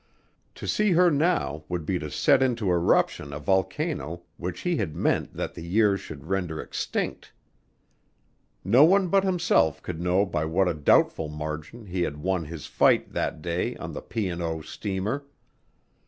To see her now would be to set into eruption a volcano which he had meant that the years should render extinct. No one but himself could know by what a doubtful margin he had won his fight that day on the P. and O. steamer.